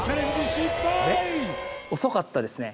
失敗遅かったですね